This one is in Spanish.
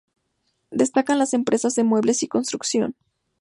Destacan las empresas de muebles y construcción.